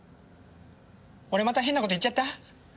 俺また変なこと言っちゃった？